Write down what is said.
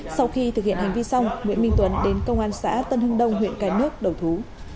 sau khi thực hiện hành vi xong nguyễn minh tuấn đến công an xã tân hưng đông huyện cái nước đầu thú